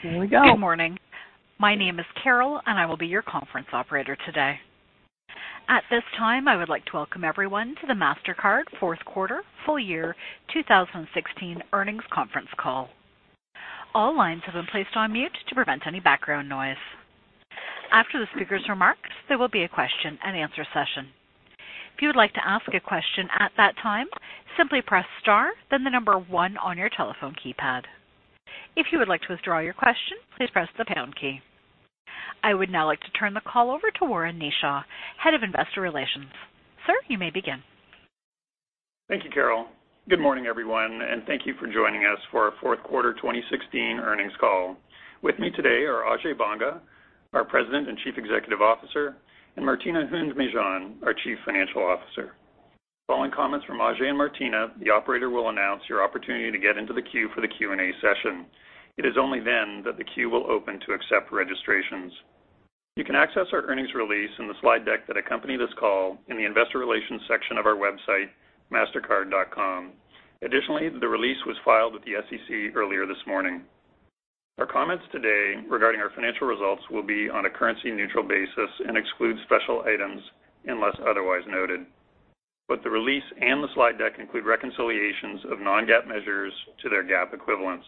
Okay. Here we go. Good morning. My name is Carol, and I will be your conference operator today. At this time, I would like to welcome everyone to the Mastercard Fourth Quarter Full Year 2016 earnings conference call. All lines have been placed on mute to prevent any background noise. After the speakers' remarks, there will be a question-and-answer session. If you would like to ask a question at that time, simply press star, then the number 1 on your telephone keypad. If you would like to withdraw your question, please press the pound key. I would now like to turn the call over to Warren Kneeshaw, Head of Investor Relations. Sir, you may begin. Thank you, Carol. Good morning, everyone, and thank you for joining us for our fourth quarter 2016 earnings call. With me today are Ajay Banga, our President and Chief Executive Officer, and Martina Hund-Mejean, our Chief Financial Officer. Following comments from Ajay and Martina, the operator will announce your opportunity to get into the queue for the Q&A session. It is only then that the queue will open to accept registrations. You can access our earnings release and the slide deck that accompany this call in the investor relations section of our website, mastercard.com. Additionally, the release was filed with the SEC earlier this morning. Our comments today regarding our financial results will be on a currency-neutral basis and exclude special items unless otherwise noted. Both the release and the slide deck include reconciliations of non-GAAP measures to their GAAP equivalents.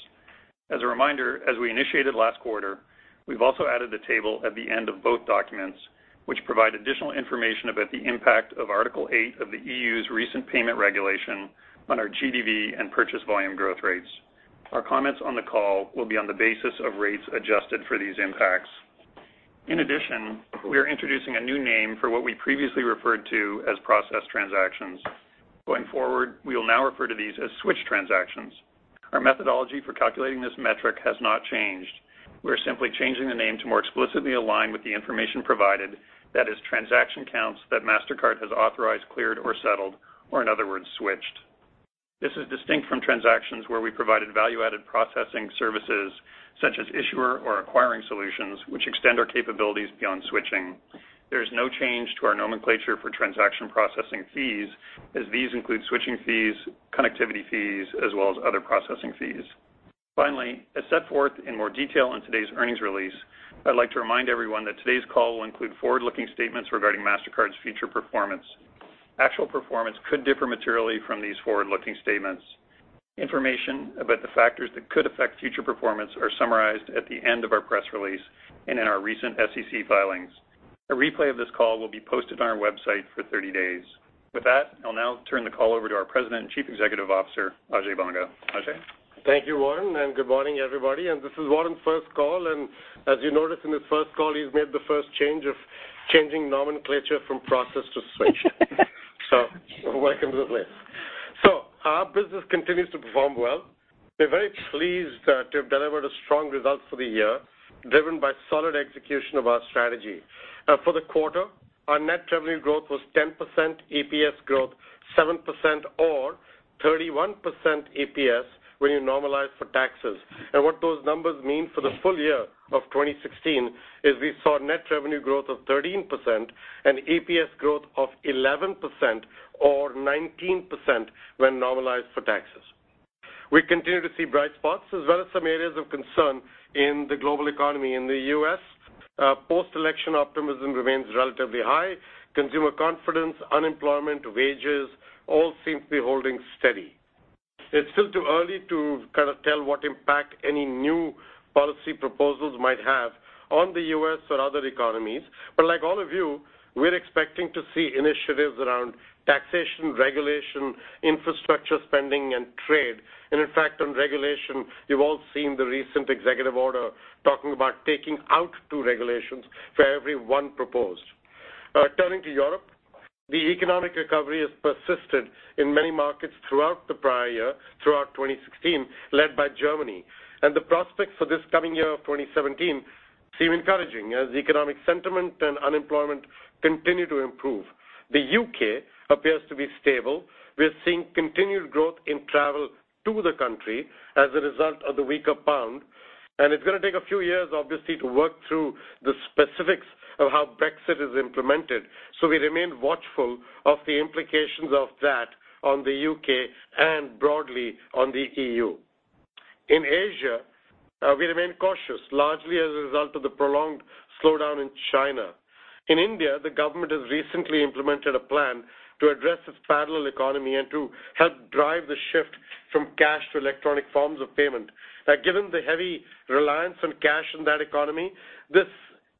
As a reminder, as we initiated last quarter, we've also added a table at the end of both documents, which provide additional information about the impact of Article 8 of the EU's recent payment regulation on our GDV and purchase volume growth rates. Our comments on the call will be on the basis of rates adjusted for these impacts. In addition, we are introducing a new name for what we previously referred to as processed transactions. Going forward, we will now refer to these as switched transactions. Our methodology for calculating this metric has not changed. We're simply changing the name to more explicitly align with the information provided, that is transaction counts that Mastercard has authorized, cleared, or settled, or in other words, switched. This is distinct from transactions where we provided value-added processing services such as issuer or acquiring solutions which extend our capabilities beyond switching. There is no change to our nomenclature for transaction processing fees as these include switching fees, connectivity fees, as well as other processing fees. Finally, as set forth in more detail in today's earnings release, I'd like to remind everyone that today's call will include forward-looking statements regarding Mastercard's future performance. Actual performance could differ materially from these forward-looking statements. Information about the factors that could affect future performance are summarized at the end of our press release and in our recent SEC filings. A replay of this call will be posted on our website for 30 days. With that, I'll now turn the call over to our President and Chief Executive Officer, Ajay Banga. Ajay. Thank you, Warren, good morning, everybody. This is Warren's first call, as you noticed in his first call, he's made the first change of changing nomenclature from process to switch. Welcome to the list. Our business continues to perform well. We're very pleased to have delivered a strong result for the year, driven by solid execution of our strategy. For the quarter, our net revenue growth was 10%, EPS growth 7% or 31% EPS when you normalize for taxes. What those numbers mean for the full year of 2016 is we saw net revenue growth of 13% and EPS growth of 11% or 19% when normalized for taxes. We continue to see bright spots as well as some areas of concern in the global economy. In the U.S., post-election optimism remains relatively high. Consumer confidence, unemployment, wages, all seem to be holding steady. It's still too early to tell what impact any new policy proposals might have on the U.S. or other economies. Like all of you, we're expecting to see initiatives around taxation, regulation, infrastructure spending, and trade. In fact, on regulation, you've all seen the recent executive order talking about taking out two regulations for every one proposed. Turning to Europe, the economic recovery has persisted in many markets throughout the prior year, throughout 2016, led by Germany. The prospects for this coming year of 2017 seem encouraging as economic sentiment and unemployment continue to improve. The U.K. appears to be stable. We're seeing continued growth in travel to the country as a result of the weaker pound, and it's going to take a few years, obviously, to work through the specifics of how Brexit is implemented. We remain watchful of the implications of that on the U.K. and broadly on the EU. In Asia, we remain cautious, largely as a result of the prolonged slowdown in China. In India, the government has recently implemented a plan to address its parallel economy and to help drive the shift from cash to electronic forms of payment. Given the heavy reliance on cash in that economy, this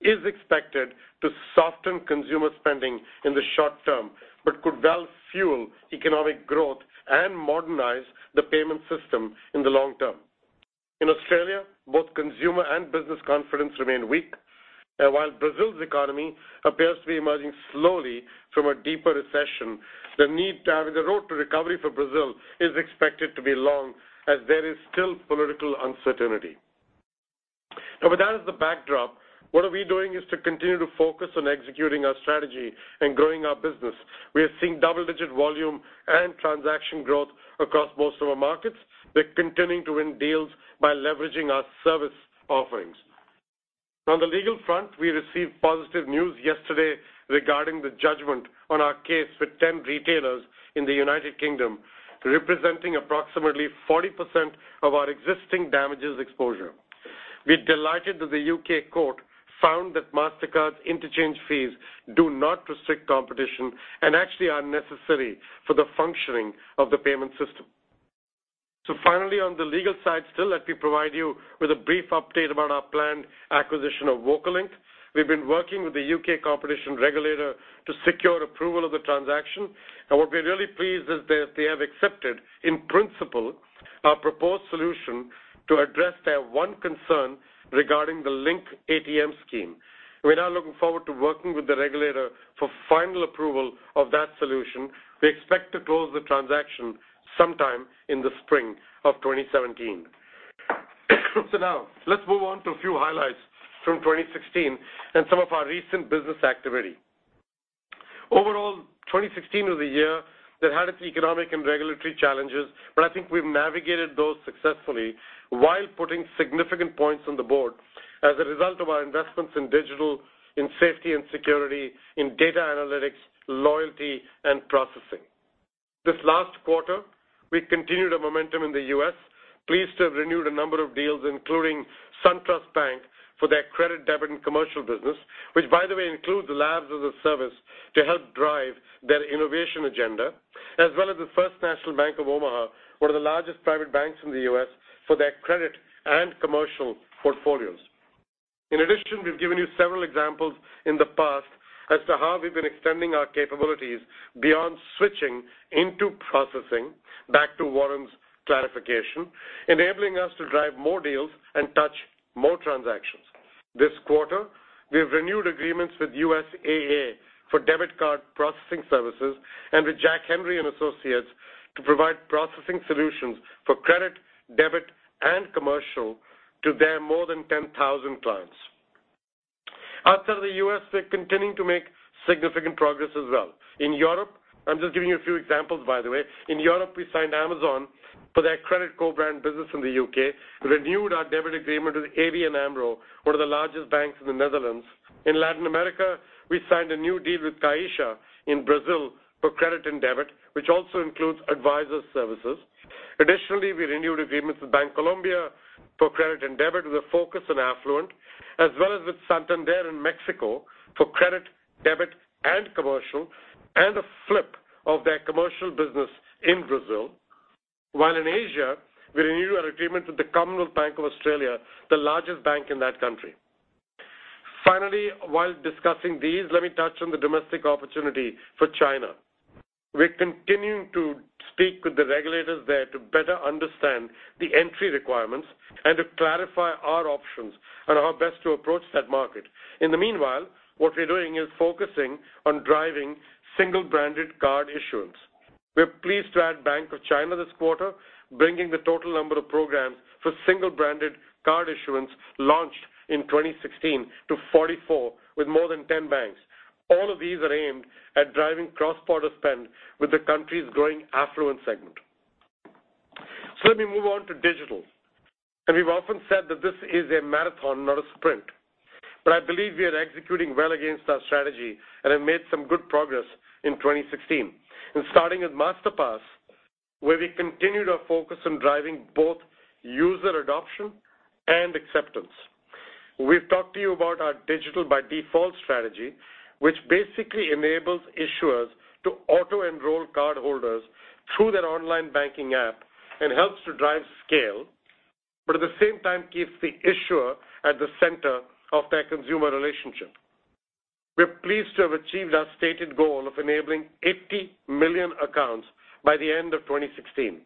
is expected to soften consumer spending in the short term, but could well fuel economic growth and modernize the payment system in the long term. In Australia, both consumer and business confidence remain weak. While Brazil's economy appears to be emerging slowly from a deeper recession, the road to recovery for Brazil is expected to be long as there is still political uncertainty. With that as the backdrop, what are we doing is to continue to focus on executing our strategy and growing our business. We are seeing double-digit volume and transaction growth across most of our markets. We're continuing to win deals by leveraging our service offerings. On the legal front, we received positive news yesterday regarding the judgment on our case with 10 retailers in the U.K., representing approximately 40% of our existing damages exposure. We're delighted that the U.K. court found that Mastercard's interchange fees do not restrict competition and actually are necessary for the functioning of the payment system. Finally, on the legal side still, let me provide you with a brief update about our planned acquisition of VocaLink. We've been working with the U.K. competition regulator to secure approval of the transaction. What we're really pleased is that they have accepted, in principle, our proposed solution to address their one concern regarding the LINK ATM scheme. We're now looking forward to working with the regulator for final approval of that solution. We expect to close the transaction sometime in the spring of 2017. Now, let's move on to a few highlights from 2016 and some of our recent business activity. Overall, 2016 was a year that had its economic and regulatory challenges, but I think we've navigated those successfully while putting significant points on the board as a result of our investments in digital, in safety and security, in data analytics, loyalty, and processing. This last quarter, we've continued our momentum in the U.S. Pleased to have renewed a number of deals, including SunTrust Bank for their credit, debit, and commercial business, which by the way includes the labs as a service to help drive their innovation agenda, as well as the First National Bank of Omaha, one of the largest private banks in the U.S., for their credit and commercial portfolios. In addition, we've given you several examples in the past as to how we've been extending our capabilities beyond switching into processing, back to Warren's clarification, enabling us to drive more deals and touch more transactions. This quarter, we have renewed agreements with USAA for debit card processing services and with Jack Henry & Associates to provide processing solutions for credit, debit, and commercial to their more than 10,000 clients. Outside of the U.S., we're continuing to make significant progress as well. In Europe, I'm just giving you a few examples by the way. In Europe, we signed Amazon for their credit co-brand business in the U.K., renewed our debit agreement with ABN AMRO, one of the largest banks in the Netherlands. In Latin America, we signed a new deal with Caixa in Brazil for credit and debit, which also includes advisor services. Additionally, we renewed agreements with Bancolombia for credit and debit with a focus on affluent, as well as with Santander in Mexico for credit, debit, and commercial, and a flip of their commercial business in Brazil. While in Asia, we renewed our agreement with the Commonwealth Bank of Australia, the largest bank in that country. Finally, while discussing these, let me touch on the domestic opportunity for China. We're continuing to speak with the regulators there to better understand the entry requirements and to clarify our options on how best to approach that market. In the meanwhile, what we're doing is focusing on driving single-branded card issuance. We're pleased to add Bank of China this quarter, bringing the total number of programs for single-branded card issuance launched in 2016 to 44, with more than 10 banks. All of these are aimed at driving cross-border spend with the country's growing affluent segment. Let me move on to digital. We've often said that this is a marathon, not a sprint. I believe we are executing well against our strategy and have made some good progress in 2016. Starting with Masterpass, where we continue to focus on driving both user adoption and acceptance. We've talked to you about our digital-by-default strategy, which basically enables issuers to auto-enroll cardholders through their online banking app and helps to drive scale, but at the same time keeps the issuer at the center of their consumer relationship. We're pleased to have achieved our stated goal of enabling 80 million accounts by the end of 2016.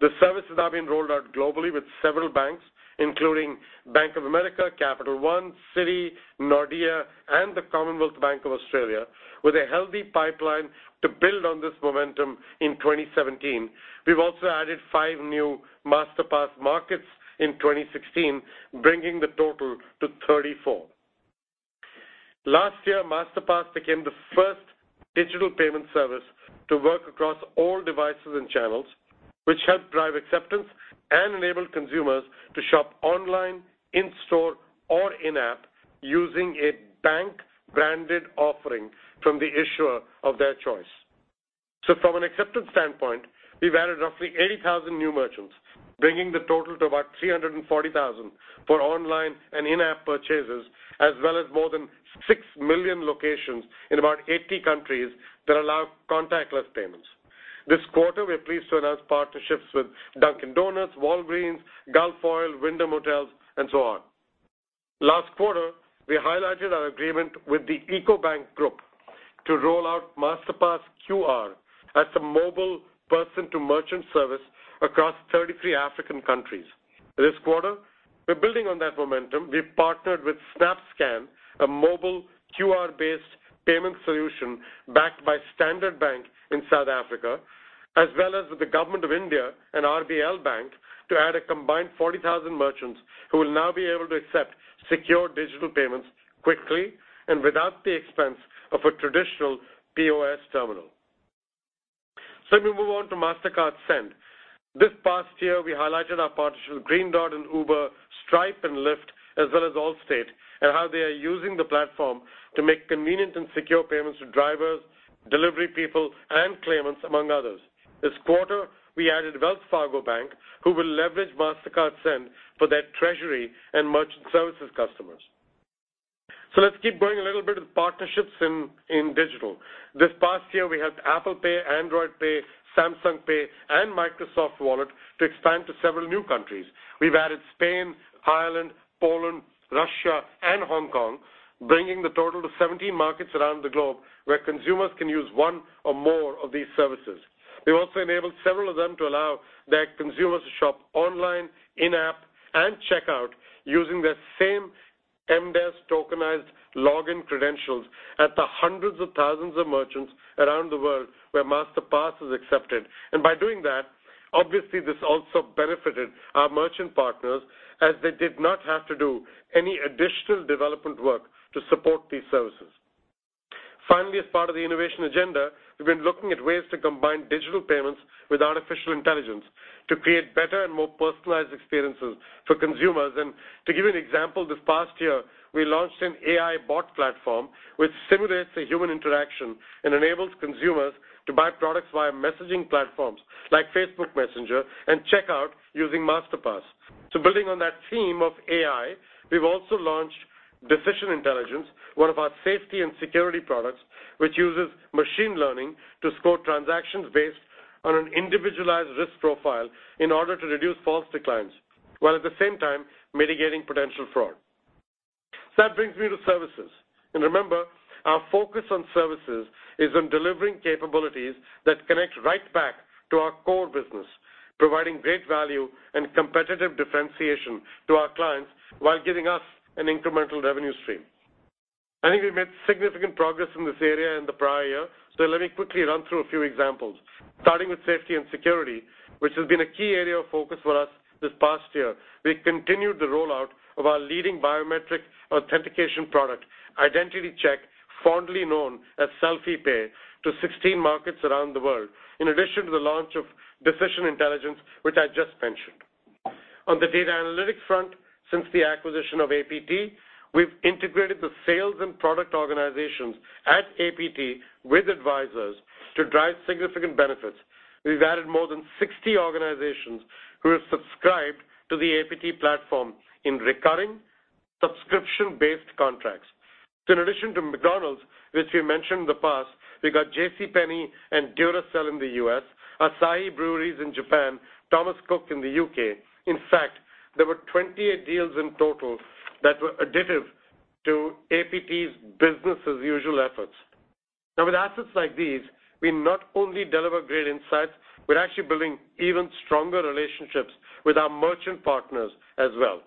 The services are being rolled out globally with several banks, including Bank of America, Capital One, Citi, Nordea, and the Commonwealth Bank of Australia, with a healthy pipeline to build on this momentum in 2017. We've also added five new Masterpass markets in 2016, bringing the total to 34. Last year, Masterpass became the first digital payment service to work across all devices and channels, which helped drive acceptance and enabled consumers to shop online, in-store, or in-app using a bank-branded offering from the issuer of their choice. From an acceptance standpoint, we've added roughly 80,000 new merchants, bringing the total to about 340,000 for online and in-app purchases, as well as more than 6 million locations in about 80 countries that allow contactless payments. This quarter, we're pleased to announce partnerships with Dunkin' Donuts, Walgreens, Gulf Oil, Wyndham Hotels, and so on. Last quarter, we highlighted our agreement with the Ecobank Group to roll out Masterpass QR as the mobile person-to-merchant service across 33 African countries. This quarter, we're building on that momentum. We've partnered with SnapScan, a mobile QR-based payment solution backed by Standard Bank in South Africa, as well as with the government of India and RBL Bank to add a combined 40,000 merchants who will now be able to accept secure digital payments quickly and without the expense of a traditional POS terminal. Let me move on to Mastercard Send. This past year, we highlighted our partnership with Green Dot and Uber, Stripe and Lyft, as well as Allstate, and how they are using the platform to make convenient and secure payments to drivers, delivery people, and claimants, among others. This quarter, we added Wells Fargo Bank, who will leverage Mastercard Send for their treasury and merchant services customers. Let's keep going a little bit with partnerships in digital. This past year, we helped Apple Pay, Android Pay, Samsung Pay, and Microsoft Wallet to expand to several new countries. We've added Spain, Ireland, Poland, Russia, and Hong Kong, bringing the total to 17 markets around the globe where consumers can use one or more of these services. We've also enabled several of them to allow their consumers to shop online, in-app, and check out using their same MDES tokenized login credentials at the hundreds of thousands of merchants around the world where Masterpass is accepted. By doing that, obviously, this also benefited our merchant partners as they did not have to do any additional development work to support these services. Finally, as part of the innovation agenda, we've been looking at ways to combine digital payments with artificial intelligence to create better and more personalized experiences for consumers. To give you an example, this past year, we launched an AI bot platform which simulates a human interaction and enables consumers to buy products via messaging platforms like Facebook Messenger and check out using Masterpass. Building on that theme of AI, we've also launched Decision Intelligence, one of our safety and security products, which uses machine learning to score transactions based on an individualized risk profile in order to reduce false declines, while at the same time mitigating potential fraud. That brings me to services. Remember, our focus on services is on delivering capabilities that connect right back to our core business, providing great value and competitive differentiation to our clients while giving us an incremental revenue stream. I think we've made significant progress in this area in the prior year, let me quickly run through a few examples. Starting with safety and security, which has been a key area of focus for us this past year. We've continued the rollout of our leading biometric authentication product, Identity Check, fondly known as Selfie Pay, to 16 markets around the world, in addition to the launch of Decision Intelligence, which I just mentioned. On the data analytics front, since the acquisition of APT, we've integrated the sales and product organizations at APT with advisors to drive significant benefits. We've added more than 60 organizations who have subscribed to the APT platform in recurring subscription-based contracts. In addition to McDonald's, which we mentioned in the past, we got JCPenney and Duracell in the U.S., Asahi Breweries in Japan, Thomas Cook in the U.K. In fact, there were 28 deals in total that were additive to APT's business-as-usual efforts. With assets like these, we not only deliver great insights, we're actually building even stronger relationships with our merchant partners as well.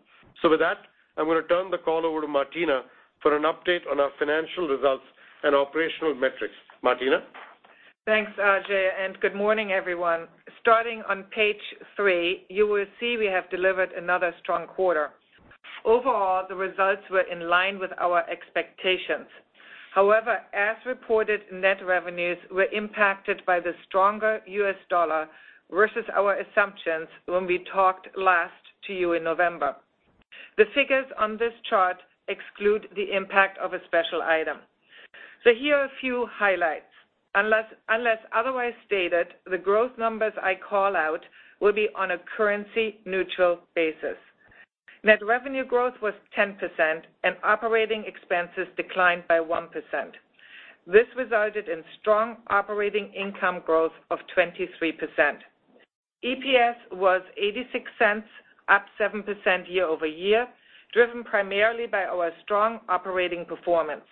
With that, I'm going to turn the call over to Martina for an update on our financial results and operational metrics. Martina? Thanks, Ajay. Good morning, everyone. Starting on page three, you will see we have delivered another strong quarter. Overall, the results were in line with our expectations. However, as reported, net revenues were impacted by the stronger U.S. dollar versus our assumptions when we talked last to you in November. The figures on this chart exclude the impact of a special item. Here are a few highlights. Unless otherwise stated, the growth numbers I call out will be on a currency-neutral basis. Net revenue growth was 10%, and operating expenses declined by 1%. This resulted in strong operating income growth of 23%. EPS was $0.86, up 7% year-over-year, driven primarily by our strong operating performance.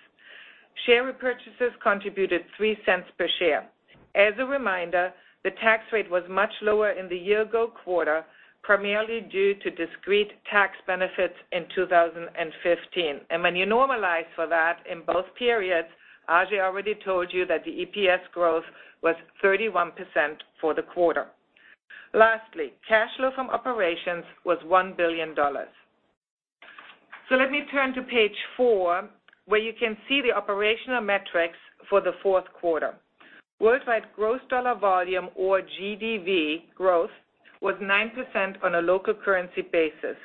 Share repurchases contributed $0.03 per share. As a reminder, the tax rate was much lower in the year-ago quarter, primarily due to discrete tax benefits in 2015. When you normalize for that in both periods, Ajay already told you that the EPS growth was 31% for the quarter. Lastly, cash flow from operations was $1 billion. Let me turn to page four, where you can see the operational metrics for the fourth quarter. Worldwide gross dollar volume or GDV growth was 9% on a local currency basis,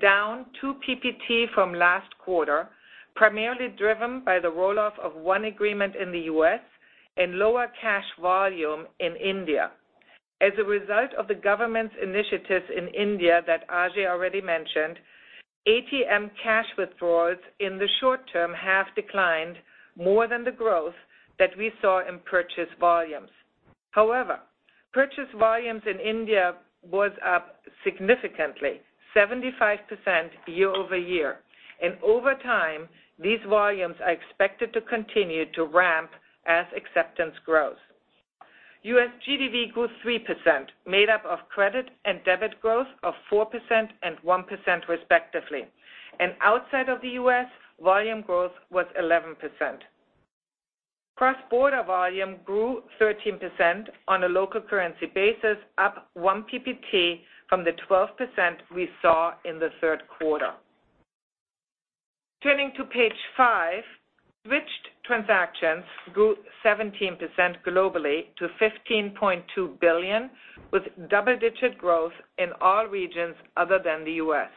down 2 PPT from last quarter, primarily driven by the roll-off of one agreement in the U.S. and lower cash volume in India. As a result of the government's initiatives in India that Ajay already mentioned, ATM cash withdrawals in the short term have declined more than the growth that we saw in purchase volumes. However, purchase volumes in India was up significantly, 75% year-over-year. Over time, these volumes are expected to continue to ramp as acceptance grows. U.S. GDV grew 3%, made up of credit and debit growth of 4% and 1%, respectively. Outside of the U.S., volume growth was 11%. Cross-border volume grew 13% on a local currency basis, up one PPT from the 12% we saw in the third quarter. Turning to page five, switched transactions grew 17% globally to 15.2 billion, with double-digit growth in all regions other than the U.S.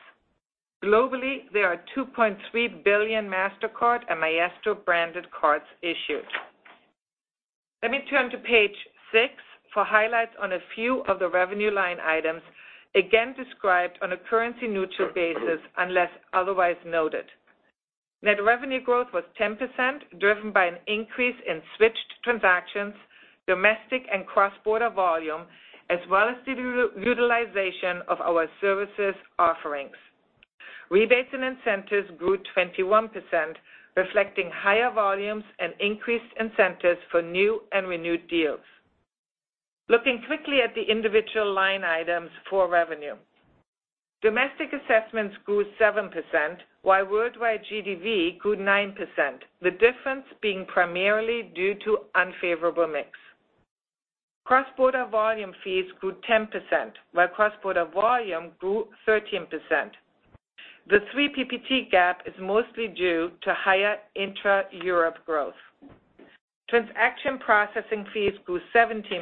Globally, there are 2.3 billion Mastercard and Maestro branded cards issued. Let me turn to page six for highlights on a few of the revenue line items, again described on a currency-neutral basis unless otherwise noted. Net revenue growth was 10%, driven by an increase in switched transactions, domestic and cross-border volume, as well as the utilization of our services offerings. Rebates and incentives grew 21%, reflecting higher volumes and increased incentives for new and renewed deals. Looking quickly at the individual line items for revenue. Domestic assessments grew 7%, while worldwide GDV grew 9%, the difference being primarily due to unfavorable mix. Cross-border volume fees grew 10%, while cross-border volume grew 13%. The three PPT gap is mostly due to higher intra-Europe growth. Transaction processing fees grew 17%,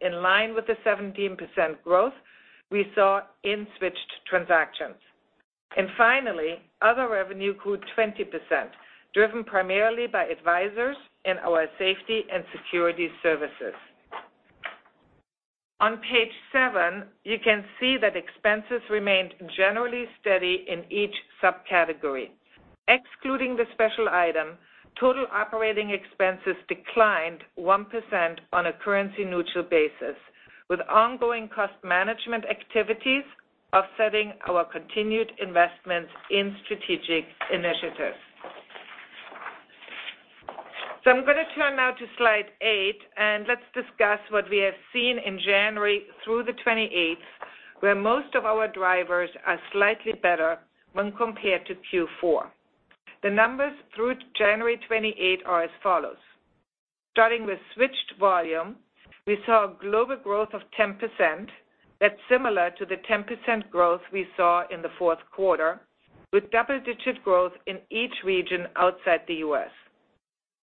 in line with the 17% growth we saw in switched transactions. Finally, other revenue grew 20%, driven primarily by advisors in our safety and security services. On page seven, you can see that expenses remained generally steady in each subcategory. Excluding the special item, total operating expenses declined 1% on a currency-neutral basis, with ongoing cost management activities offsetting our continued investments in strategic initiatives. I'm going to turn now to slide eight, let's discuss what we have seen in January through the 28th, where most of our drivers are slightly better when compared to Q4. The numbers through January 28 are as follows. Starting with switched volume, we saw a global growth of 10%. That's similar to the 10% growth we saw in the fourth quarter, with double-digit growth in each region outside the U.S.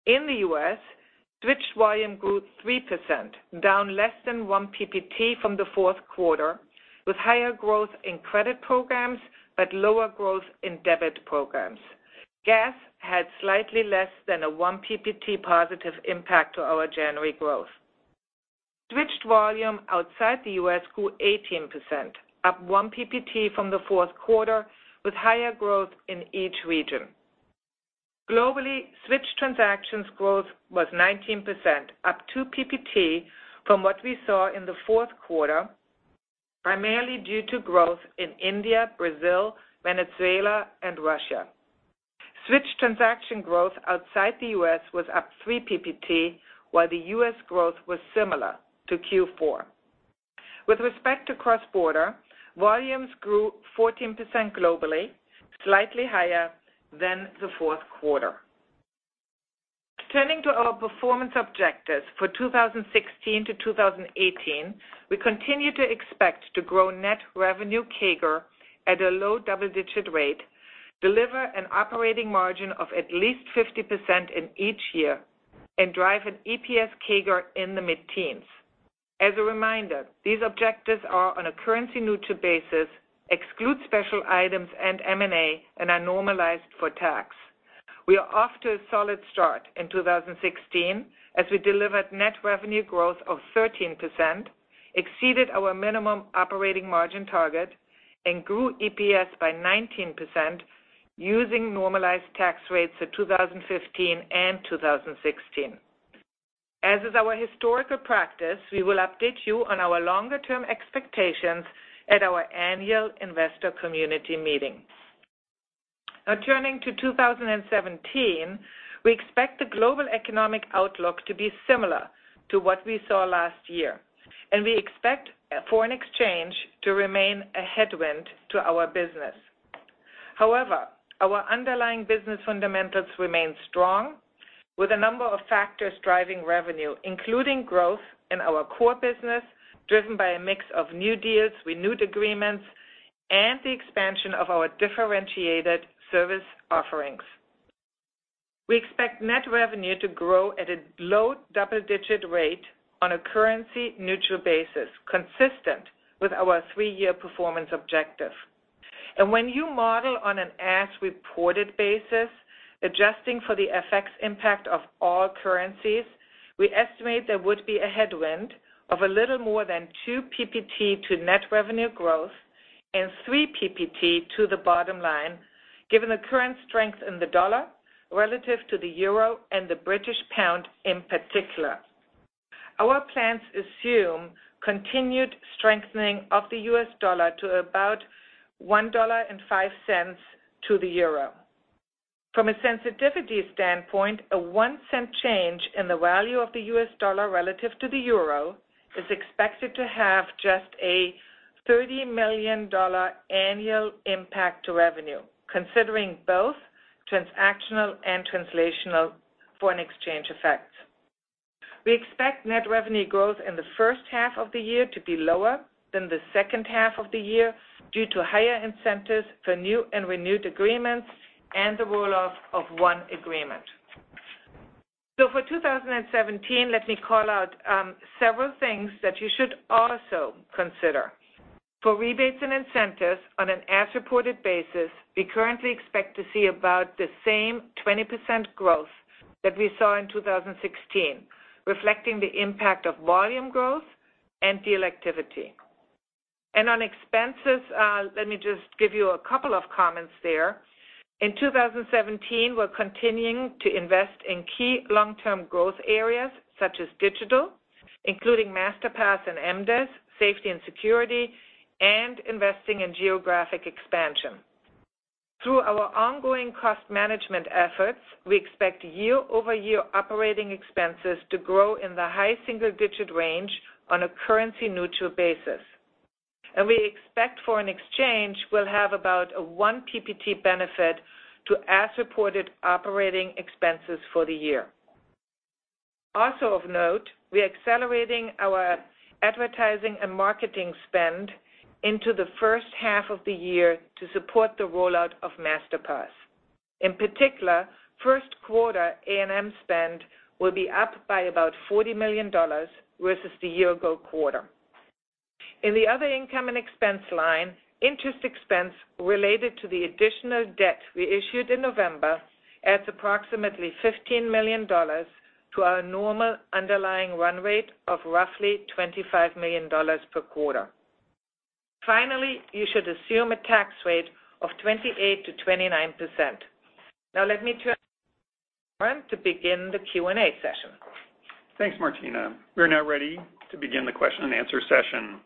In the U.S., switched volume grew 3%, down less than one PPT from the fourth quarter, with higher growth in credit programs but lower growth in debit programs. GAS had slightly less than a one PPT positive impact to our January growth. Switched volume outside the U.S. grew 18%, up one PPT from the fourth quarter, with higher growth in each region. Globally, switched transactions growth was 19%, up two PPT from what we saw in the fourth quarter, primarily due to growth in India, Brazil, Venezuela, and Russia. Switched transaction growth outside the U.S. was up three PPT, while the U.S. growth was similar to Q4. With respect to cross-border, volumes grew 14% globally, slightly higher than the fourth quarter. Turning to our performance objectives for 2016 to 2018, we continue to expect to grow net revenue CAGR at a low double-digit rate, deliver an operating margin of at least 50% in each year, and drive an EPS CAGR in the mid-teens. As a reminder, these objectives are on a currency-neutral basis, exclude special items and M&A, and are normalized for tax. We are off to a solid start in 2016 as we delivered net revenue growth of 13%, exceeded our minimum operating margin target, and grew EPS by 19%, using normalized tax rates for 2015 and 2016. As is our historical practice, we will update you on our longer-term expectations at our annual investor community meeting. Turning to 2017, we expect the global economic outlook to be similar to what we saw last year, we expect foreign exchange to remain a headwind to our business. However, our underlying business fundamentals remain strong, with a number of factors driving revenue, including growth in our core business, driven by a mix of new deals, renewed agreements, and the expansion of our differentiated service offerings. We expect net revenue to grow at a low double-digit rate on a currency-neutral basis, consistent with our three-year performance objective. When you model on an as-reported basis, adjusting for the FX impact of all currencies, we estimate there would be a headwind of a little more than two PPT to net revenue growth and three PPT to the bottom line, given the current strength in the dollar relative to the euro and the British pound in particular. Our plans assume continued strengthening of the U.S. dollar to about $1.05 to the euro. From a sensitivity standpoint, a one-cent change in the value of the U.S. dollar relative to the euro is expected to have just a $30 million annual impact to revenue, considering both transactional and translational foreign exchange effects. We expect net revenue growth in the first half of the year to be lower than the second half of the year due to higher incentives for new and renewed agreements and the roll-off of one agreement. For 2017, let me call out several things that you should also consider. For rebates and incentives on an as-reported basis, we currently expect to see about the same 20% growth that we saw in 2016, reflecting the impact of volume growth and deal activity. On expenses, let me just give you a couple of comments there. In 2017, we're continuing to invest in key long-term growth areas such as digital, including Masterpass and MDES, safety and security, and investing in geographic expansion. Through our ongoing cost management efforts, we expect year-over-year operating expenses to grow in the high single-digit range on a currency-neutral basis. We expect for an exchange, we'll have about a one PPT benefit to as-reported operating expenses for the year. Also of note, we are accelerating our advertising and marketing spend into the first half of the year to support the rollout of Masterpass. In particular, first quarter A&M spend will be up by about $40 million versus the year-ago quarter. In the other income and expense line, interest expense related to the additional debt we issued in November adds approximately $15 million to our normal underlying run rate of roughly $25 million per quarter. Finally, you should assume a tax rate of 28%-29%. Let me turn to Bryan to begin the Q&A session. Thanks, Martina. We are now ready to begin the question and answer session.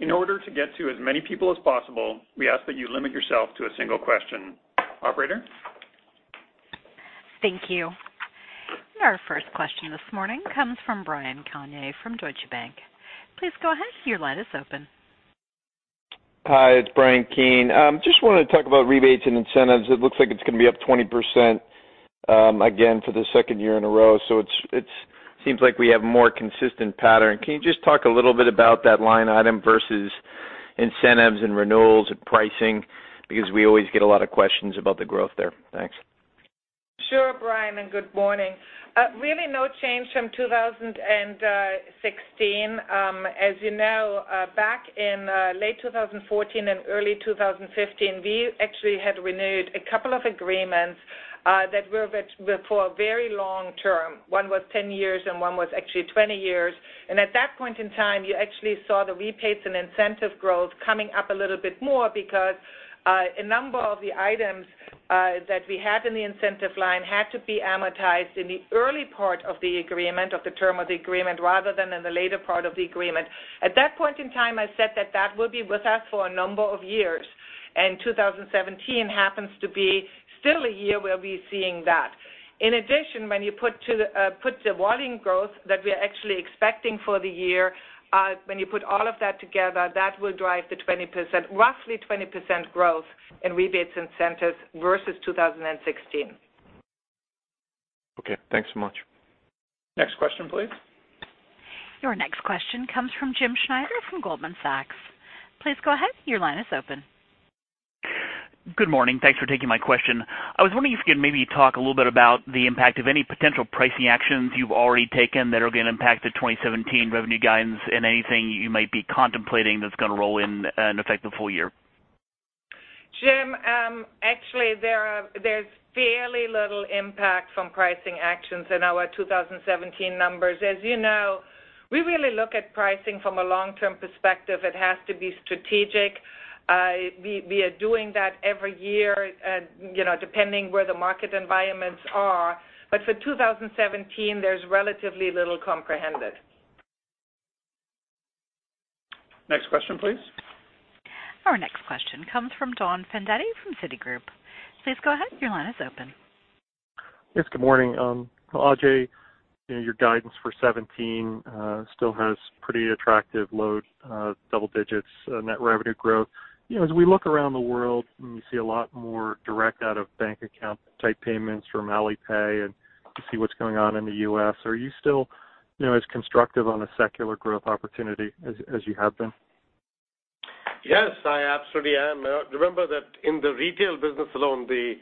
In order to get to as many people as possible, we ask that you limit yourself to a single question. Operator? Thank you. Our first question this morning comes from Bryan Keane from Deutsche Bank. Please go ahead, your line is open. Hi, it's Bryan Keane. Just wanted to talk about rebates and incentives. It looks like it's going to be up 20% again for the second year in a row. It seems like we have a more consistent pattern. Can you just talk a little bit about that line item versus incentives and renewals and pricing? We always get a lot of questions about the growth there. Thanks. Sure, Bryan, and good morning. Really no change from 2016. As you know, back in late 2014 and early 2015, we actually had renewed a couple of agreements that were for a very long term. One was 10 years, and one was actually 20 years. At that point in time, you actually saw the rebates and incentive growth coming up a little bit more because a number of the items that we had in the incentive line had to be amortized in the early part of the term of the agreement rather than in the later part of the agreement. At that point in time, I said that that would be with us for a number of years. 2017 happens to be still a year where we're seeing that. In addition, when you put the volume growth that we are actually expecting for the year, when you put all of that together, that will drive the roughly 20% growth in rebates incentives versus 2016. Okay, thanks so much. Next question, please. Your next question comes from Jim Schneider from Goldman Sachs. Please go ahead, your line is open. Good morning. Thanks for taking my question. I was wondering if you could maybe talk a little bit about the impact of any potential pricing actions you've already taken that are going to impact the 2017 revenue guidance and anything you might be contemplating that's going to roll in and affect the full year. Jim, actually there's fairly little impact from pricing actions in our 2017 numbers. As you know, we really look at pricing from a long-term perspective. It has to be strategic. We are doing that every year, depending where the market environments are. For 2017, there's relatively little comprehended. Next question, please. Our next question comes from Don Fandetti from Citigroup. Please go ahead, your line is open. Yes, good morning. Ajay, your guidance for 2017 still has pretty attractive low double-digits net revenue growth. As we look around the world and we see a lot more direct-out-of-bank-account-type payments from Alipay and we see what's going on in the U.S., are you still as constructive on a secular growth opportunity as you have been? Yes, I absolutely am. Remember that in the retail business alone, the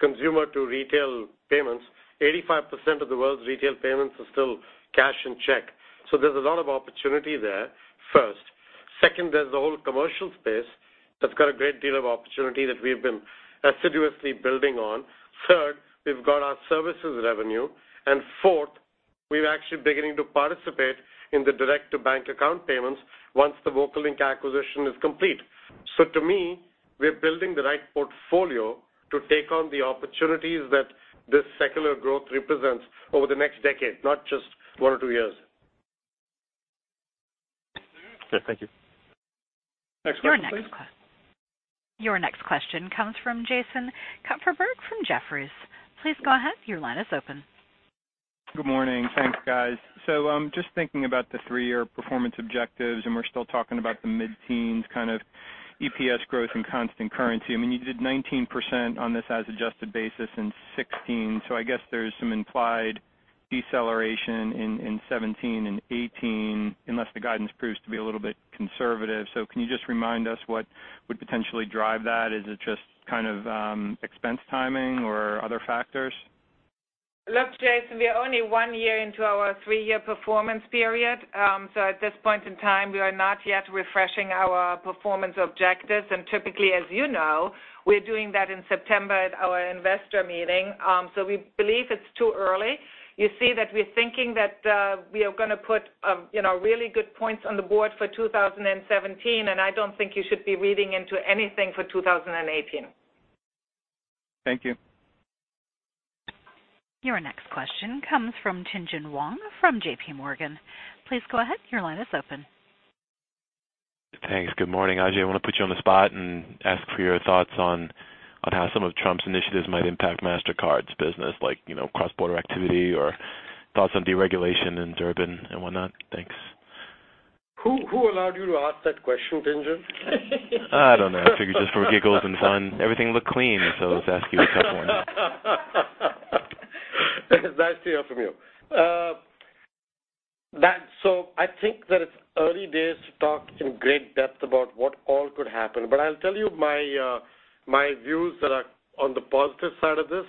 consumer-to-retail payments, 85% of the world's retail payments are still cash and check. There's a lot of opportunity there, first. Second, there's the whole commercial space that's got a great deal of opportunity that we've been assiduously building on. Third, we've got our services revenue. Fourth, we're actually beginning to participate in the direct-to-bank account payments once the VocaLink acquisition is complete. To me, we're building the right portfolio to take on the opportunities that this secular growth represents over the next decade, not just one or two years. Yes, thank you. Next question, please. Your next question comes from Jason Kupferberg from Jefferies. Please go ahead, your line is open. Good morning. Thanks, guys. Just thinking about the three-year performance objectives, we're still talking about the mid-teens kind of EPS growth in constant currency. You did 19% on this as adjusted basis in 2016, I guess there's some implied deceleration in 2017 and 2018, unless the guidance proves to be a little bit conservative. Can you just remind us what would potentially drive that? Is it just expense timing or other factors? Look, Jason Kupferberg, we are only one year into our three-year performance period. At this point in time, we are not yet refreshing our performance objectives. Typically, as you know, we're doing that in September at our investor meeting. We believe it's too early. You see that we're thinking that we are going to put really good points on the board for 2017, and I don't think you should be reading into anything for 2018. Thank you. Your next question comes from Tien-tsin Huang from JP Morgan. Please go ahead. Your line is open. Thanks. Good morning, Ajay. I want to put you on the spot and ask for your thoughts on how some of Trump's initiatives might impact Mastercard's business, like cross-border activity or thoughts on deregulation in Durbin and whatnot. Thanks. Who allowed you to ask that question, Tien-tsin? I don't know. I figured just for giggles and fun. Everything looked clean. Let's ask you a tough one. It's nice to hear from you. I think that it's early days to talk in great depth about what all could happen. I'll tell you my views that are on the positive side of this.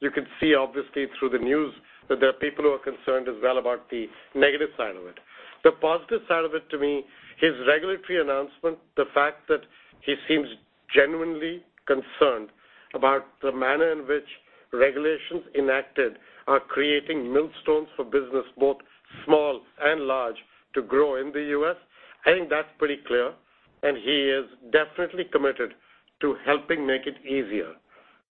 You can see, obviously, through the news that there are people who are concerned as well about the negative side of it. The positive side of it to me, his regulatory announcement, the fact that he seems genuinely concerned about the manner in which regulations enacted are creating millstones for business, both small and large, to grow in the U.S. I think that's pretty clear. He is definitely committed to helping make it easier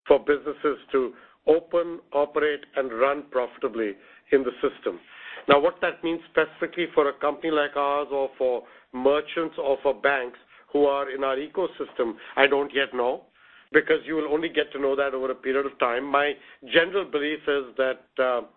for businesses to open, operate, and run profitably in the system. Now, what that means specifically for a company like ours or for merchants or for banks who are in our ecosystem, I don't yet know, because you will only get to know that over a period of time. My general belief is that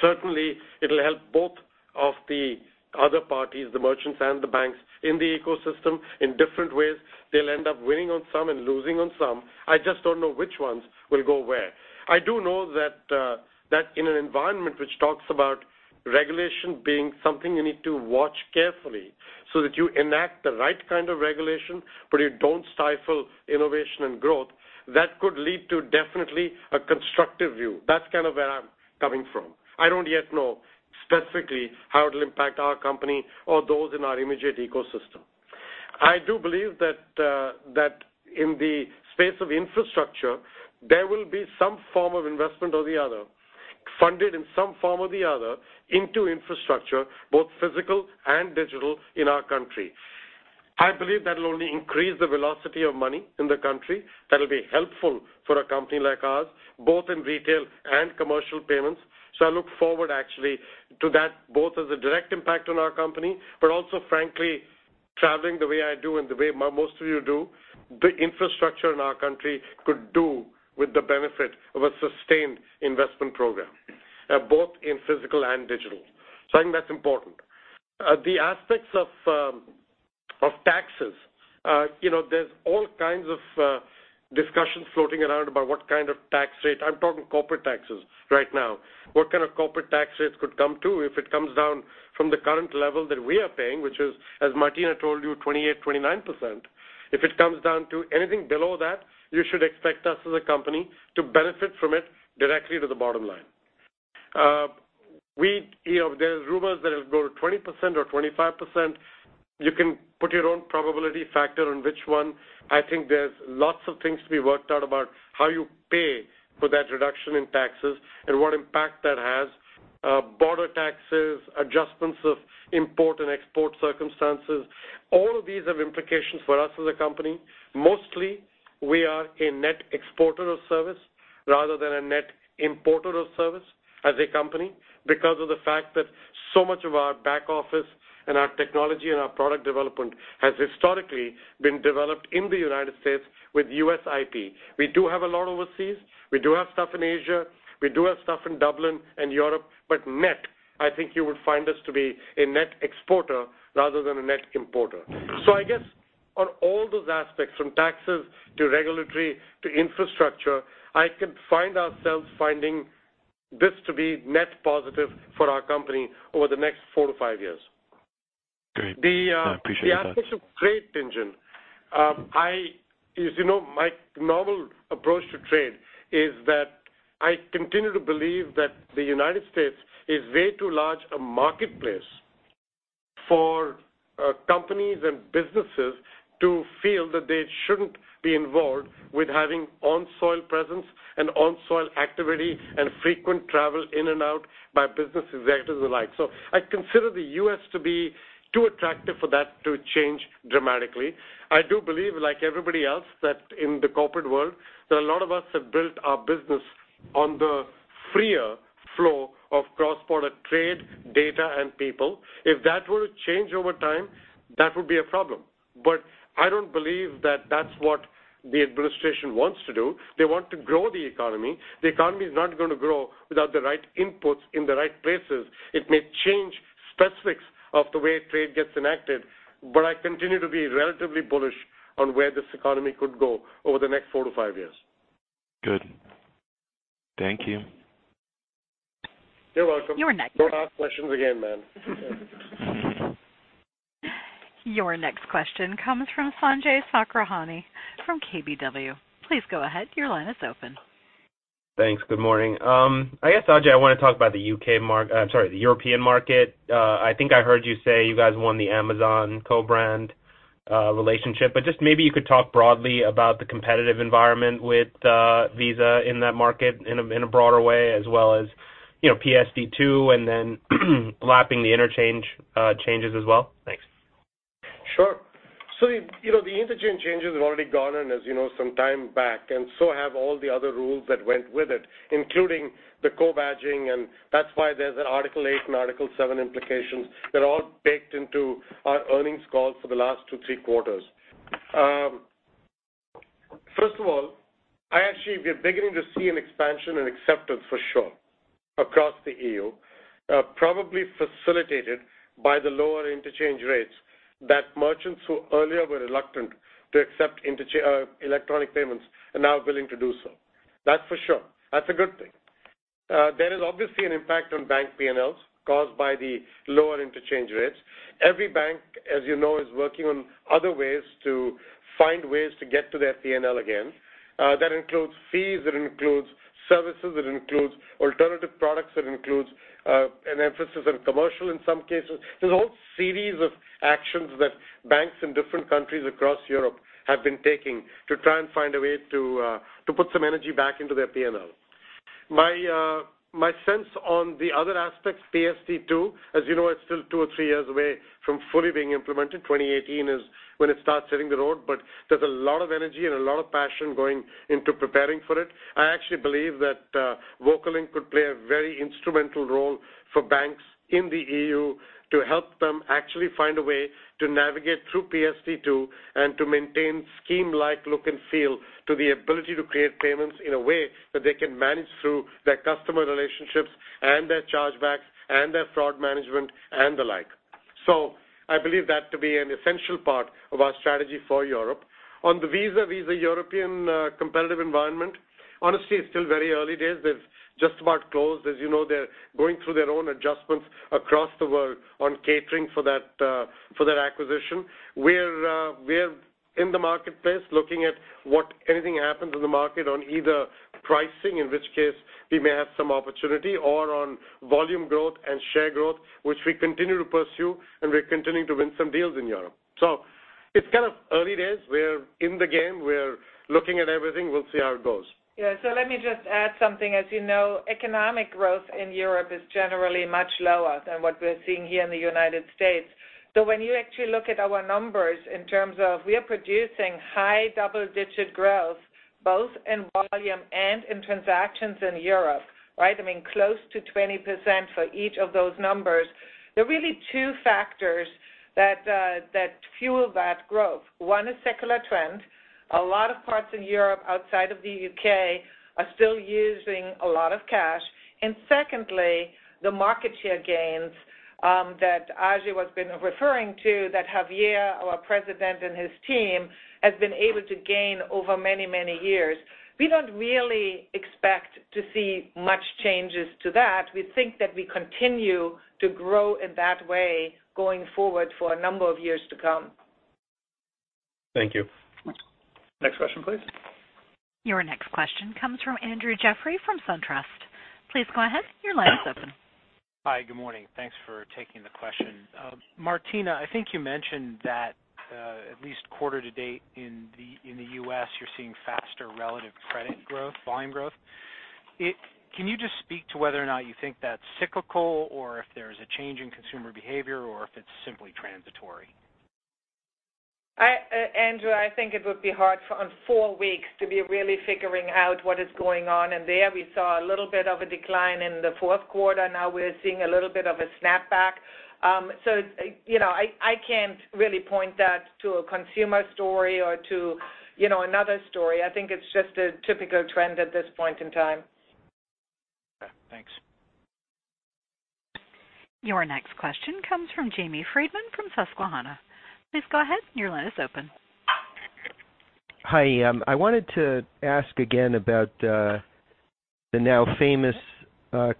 certainly it'll help both of the other parties, the merchants and the banks in the ecosystem in different ways. They'll end up winning on some and losing on some. I just don't know which ones will go where. I do know that in an environment which talks about regulation being something you need to watch carefully so that you enact the right kind of regulation, but you don't stifle innovation and growth, that could lead to definitely a constructive view. That's kind of where I'm coming from. I don't yet know specifically how it'll impact our company or those in our immediate ecosystem. I do believe that in the space of infrastructure, there will be some form of investment or the other, funded in some form or the other into infrastructure, both physical and digital in our country. I believe that'll only increase the velocity of money in the country. That'll be helpful for a company like ours, both in retail and commercial payments. I look forward actually to that, both as a direct impact on our company, but also frankly, traveling the way I do and the way most of you do, the infrastructure in our country could do with the benefit of a sustained investment program, both in physical and digital. I think that's important. The aspects of taxes. There's all kinds of discussions floating around about what kind of tax rate. I'm talking corporate taxes right now. What kind of corporate tax rates could come to if it comes down from the current level that we are paying, which is, as Martina told you, 28%, 29%. If it comes down to anything below that, you should expect us as a company to benefit from it directly to the bottom line. There's rumors that it'll go to 20% or 25%. You can put your own probability factor on which one. I think there's lots of things to be worked out about how you pay for that reduction in taxes and what impact that has. Border taxes, adjustments of import and export circumstances, all of these have implications for us as a company. Mostly, we are a net exporter of service rather than a net importer of service as a company because of the fact that so much of our back office and our technology and our product development has historically been developed in the U.S. with U.S. IP. We do have a lot overseas. We do have stuff in Asia, we do have stuff in Dublin and Europe, but net, I think you would find us to be a net exporter rather than a net importer. I guess on all those aspects, from taxes to regulatory to infrastructure, I can find ourselves finding this to be net positive for our company over the next four to five years. Great. I appreciate that. The aspects of trade, Tien-tsin. As you know, my normal approach to trade is that I continue to believe that the U.S. is way too large a marketplace for companies and businesses to feel that they shouldn't be involved with having on-soil presence and on-soil activity and frequent travel in and out by business executives alike. I consider the U.S. to be too attractive for that to change dramatically. I do believe, like everybody else, that in the corporate world, that a lot of us have built our business on the freer flow of cross-border trade, data, and people. If that were to change over time, that would be a problem. I don't believe that that's what the administration wants to do, they want to grow the economy. The economy is not going to grow without the right inputs in the right places. It may change specifics of the way trade gets enacted, but I continue to be relatively bullish on where this economy could go over the next four to five years. Good. Thank you. You're welcome. Your next Don't ask questions again, man. Your next question comes from Sanjay Sakhrani from KBW. Please go ahead. Your line is open. Thanks. Good morning. I guess, Ajay, I want to talk about the European market. I think I heard you say you guys won the Amazon co-brand relationship. Just maybe you could talk broadly about the competitive environment with Visa in that market in a broader way, as well as PSD2, and then lapping the interchange changes as well. Thanks. Sure. The interchange changes have already gone in, as you know, some time back, and so have all the other rules that went with it, including the co-badging, and that is why there is Article 8 and Article 7 implications that are all baked into our earnings calls for the last two, three quarters. First of all, actually, we are beginning to see an expansion and acceptance for sure across the EU, probably facilitated by the lower interchange rates that merchants who earlier were reluctant to accept electronic payments are now willing to do so. That is for sure. That is a good thing. There is obviously an impact on bank P&Ls caused by the lower interchange rates. Every bank, as you know, is working on other ways to find ways to get to their P&L again. That includes fees, that includes services, that includes alternative products, that includes an emphasis on commercial in some cases. There is a whole series of actions that banks in different countries across Europe have been taking to try and find a way to put some energy back into their P&L. My sense on the other aspects, PSD2, as you know, it is still two or three years away from fully being implemented. 2018 is when it starts hitting the road, but there is a lot of energy and a lot of passion going into preparing for it. I actually believe that VocaLink could play a very instrumental role for banks in the EU to help them actually find a way to navigate through PSD2 and to maintain scheme-like look and feel to the ability to create payments in a way that they can manage through their customer relationships and their chargebacks and their fraud management and the like. I believe that to be an essential part of our strategy for Europe. On the Visa Europe competitive environment, honestly, it is still very early days. They have just about closed. As you know, they are going through their own adjustments across the world on catering for that acquisition. We are in the marketplace looking at what anything happens in the market on either pricing, in which case we may have some opportunity or on volume growth and share growth, which we continue to pursue, and we are continuing to win some deals in Europe. It is kind of early days. We are in the game. We are looking at everything. We will see how it goes. Let me just add something. As you know, economic growth in Europe is generally much lower than what we're seeing here in the U.S. When you actually look at our numbers in terms of we are producing high double-digit growth both in volume and in transactions in Europe, right? Close to 20% for each of those numbers. There are really two factors that fuel that growth. One is secular trend. A lot of parts in Europe outside of the U.K. are still using a lot of cash. Secondly, the market share gains that Ajay has been referring to, that Javier, our President and his team, has been able to gain over many, many years. We don't really expect to see much changes to that. We think that we continue to grow in that way going forward for a number of years to come. Thank you. Next question, please. Your next question comes from Andrew Jeffrey from SunTrust. Please go ahead. Your line is open. Hi. Good morning. Thanks for taking the question. Martina, I think you mentioned that at least quarter to date in the U.S. you're seeing faster relative credit growth, volume growth. Can you just speak to whether or not you think that's cyclical or if there's a change in consumer behavior or if it's simply transitory? Andrew, I think it would be hard on four weeks to be really figuring out what is going on. There we saw a little bit of a decline in the fourth quarter. Now we're seeing a little bit of a snapback. I can't really point that to a consumer story or to another story. I think it's just a typical trend at this point in time. Okay, thanks. Your next question comes from Jamie Friedman from Susquehanna. Please go ahead. Your line is open. I wanted to ask again about the now famous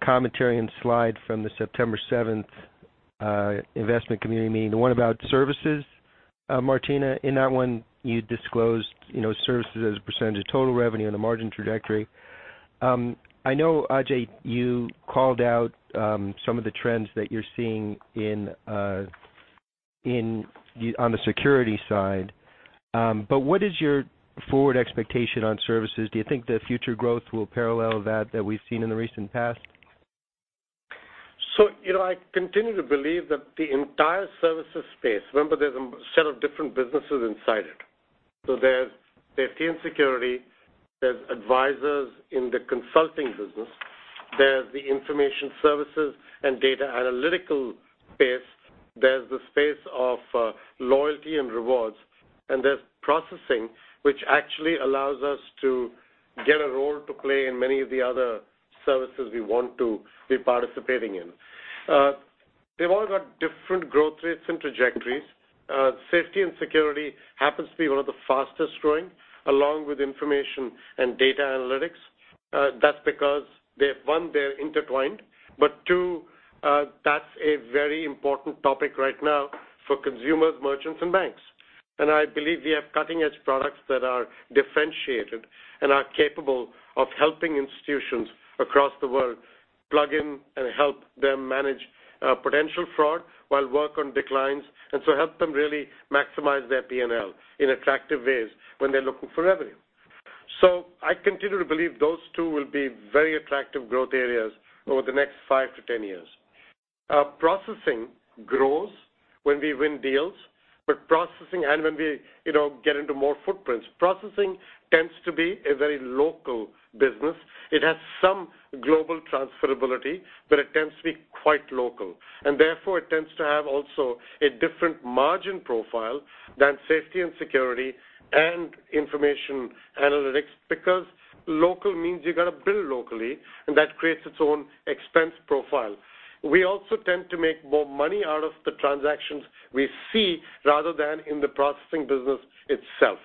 commentary and slide from the September 7th investment community meeting, the one about services. Martina, in that one, you disclosed services as a percentage of total revenue and the margin trajectory. I know, Ajay, you called out some of the trends that you're seeing on the security side. What is your forward expectation on services? Do you think the future growth will parallel that we've seen in the recent past? I continue to believe that the entire services space, remember, there's a set of different businesses inside it. There's team security, there's advisors in the consulting business. There's the information services and data analytical space. There's the space of loyalty and rewards. There's processing, which actually allows us to get a role to play in many of the other services we want to be participating in. They've all got different growth rates and trajectories. Safety and security happens to be one of the fastest-growing, along with information and data analytics. That's because they, one, they're intertwined, but two, that's a very important topic right now for consumers, merchants, and banks. I believe we have cutting-edge products that are differentiated and are capable of helping institutions across the world plug in and help them manage potential fraud while work on declines, and so help them really maximize their P&L in attractive ways when they're looking for revenue. I continue to believe those two will be very attractive growth areas over the next five to 10 years. Processing grows when we win deals, but processing and when we get into more footprints. Processing tends to be a very local business. It has some global transferability, but it tends to be quite local. Therefore, it tends to have also a different margin profile than safety and security and information analytics because local means you're going to build locally, and that creates its own expense profile. We also tend to make more money out of the transactions we see rather than in the processing business itself.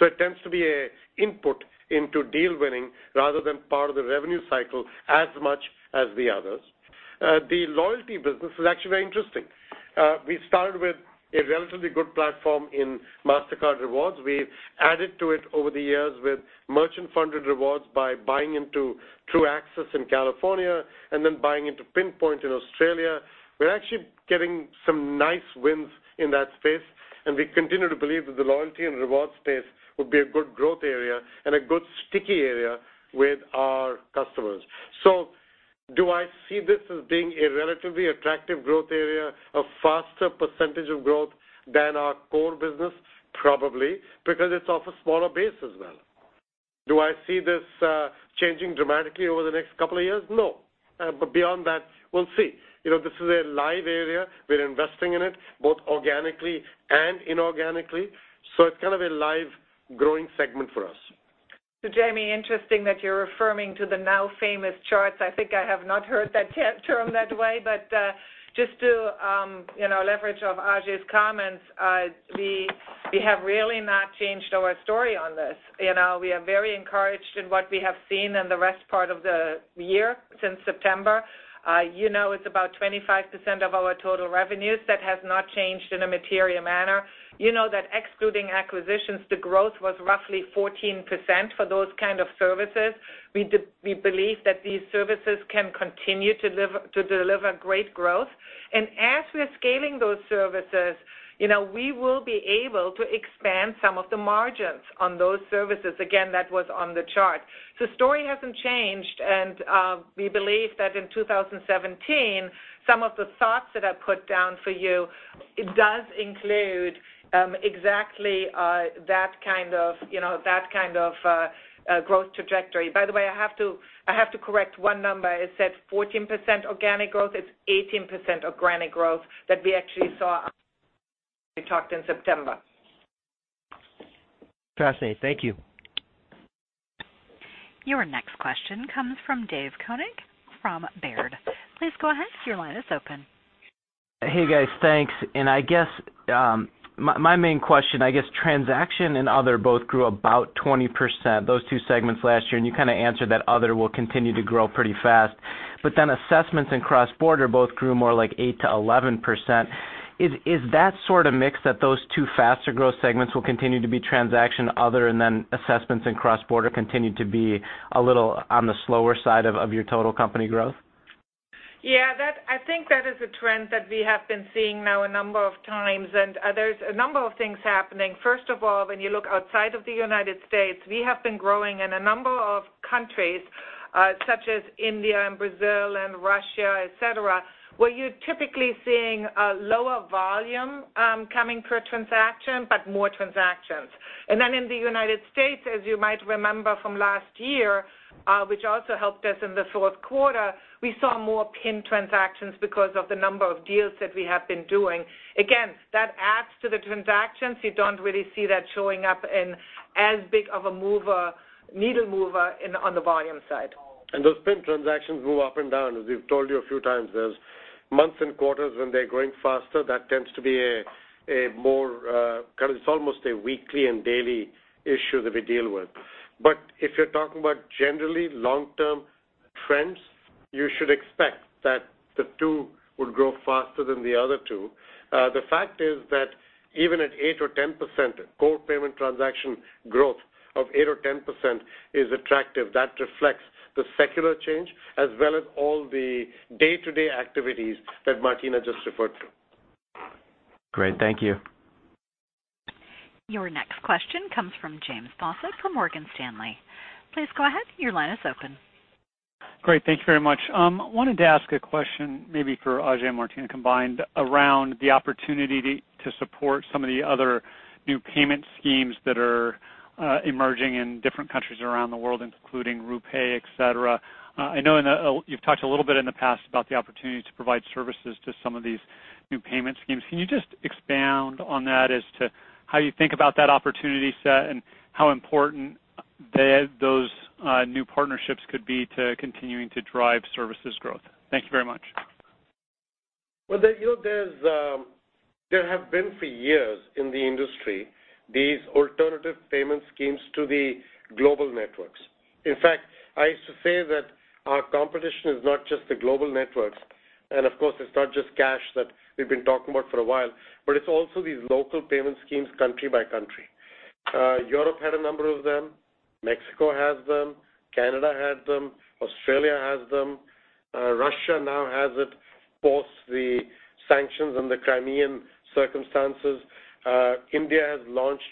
It tends to be an input into deal-winning rather than part of the revenue cycle as much as the others. The loyalty business is actually very interesting. We started with a relatively good platform in Mastercard Rewards. We've added to it over the years with merchant-funded rewards by buying into Truaxis in California and then buying into Pinpoint in Australia. We're actually getting some nice wins in that space, and we continue to believe that the loyalty and rewards space will be a good growth area and a good sticky area with our customers. Do I see this as being a relatively attractive growth area, a faster percentage of growth than our core business? Probably, because it's off a smaller base as well. Do I see this changing dramatically over the next couple of years? No. Beyond that, we'll see. This is a live area. We're investing in it both organically and inorganically. It's kind of a live growing segment for us. Jamie, interesting that you're referring to the now-famous charts. I think I have not heard that term that way, just to leverage off Ajay's comments, we have really not changed our story on this. We are very encouraged in what we have seen in the rest part of the year since September. You know it's about 25% of our total revenues. That has not changed in a material manner. You know that excluding acquisitions, the growth was roughly 14% for those kind of services. We believe that these services can continue to deliver great growth. As we're scaling those services, we will be able to expand some of the margins on those services. Again, that was on the chart. The story hasn't changed, we believe that in 2017, some of the thoughts that I put down for you, it does include exactly that kind of growth trajectory. By the way, I have to correct one number. It said 14% organic growth. It's 18% organic growth that we actually saw we talked in September. Fascinating. Thank you. Your next question comes from David Koning from Baird. Please go ahead. Your line is open. Hey, guys. Thanks. I guess my main question, I guess transaction and other both grew about 20%, those two segments last year, you kind of answered that other will continue to grow pretty fast. Assessments and cross-border both grew more like 8%-11%. Is that sort of mix that those two faster growth segments will continue to be transaction, other, and then assessments and cross-border continue to be a little on the slower side of your total company growth? I think that is a trend that we have been seeing now a number of times, there's a number of things happening. First of all, when you look outside of the U.S., we have been growing in a number of countries such as India, Brazil, and Russia, et cetera, where you're typically seeing a lower volume coming per transaction, but more transactions. In the U.S., as you might remember from last year, which also helped us in the fourth quarter, we saw more PIN transactions because of the number of deals that we have been doing. Again, that adds to the transactions. You don't really see that showing up in as big of a mover, needle mover on the volume side. Those PIN transactions move up and down. As we've told you a few times, there's months and quarters when they're growing faster. That tends to be a more, it's almost a weekly and daily issue that we deal with. If you're talking about generally long-term trends, you should expect that the two will grow faster than the other two. The fact is that even at 8% or 10%, core payment transaction growth of 8% or 10% is attractive. That reflects the secular change as well as all the day-to-day activities that Martina just referred to. Great. Thank you. Your next question comes from James Faucette from Morgan Stanley. Please go ahead. Your line is open. Great. Thank you very much. I wanted to ask a question maybe for Ajay and Martina combined around the opportunity to support some of the other new payment schemes that are emerging in different countries around the world, including RuPay, et cetera. I know you've touched a little bit in the past about the opportunity to provide services to some of these new payment schemes. Can you just expound on that as to how you think about that opportunity set and how important those new partnerships could be to continuing to drive services growth? Thank you very much. There have been for years in the industry, these alternative payment schemes to the global networks. In fact, I used to say that our competition is not just the global networks, and of course, it's not just cash that we've been talking about for a while, but it's also these local payment schemes country by country. Europe had a number of them. Mexico has them. Canada has them. Australia has them. Russia now has it post the sanctions and the Crimean circumstances. India has launched